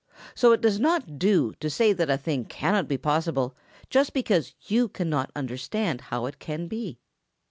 So it does not do to say that a thing cannot be possible just because you cannot understand how it can be.